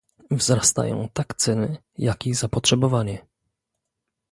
wzrastają tak ceny, jak i zapotrzebowanie